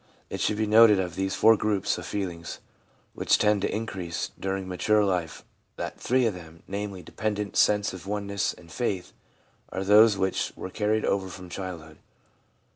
It should be noted of these four groups of feelings which tend to increase during mature life that three of them, namely, dependence, sense of oneness, and faith, are those which were carried over from childhood.